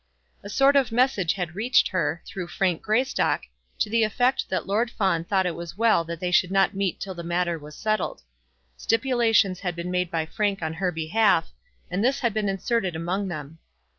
A sort of message had reached her, through Frank Greystock, to the effect that Lord Fawn thought it as well that they should not meet till the matter was settled. Stipulations had been made by Frank on her behalf, and this had been inserted among them.